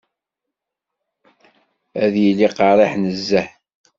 Ad yili qerriḥ nezzeh.